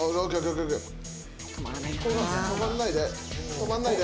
止まんないで。